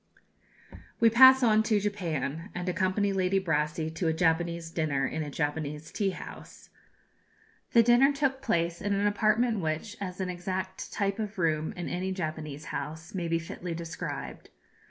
We pass on to Japan, and accompany Lady Brassey to a Japanese dinner in a Japanese tea house. The dinner took place in an apartment which, as an exact type of a room in any Japanese house, may fitly be described.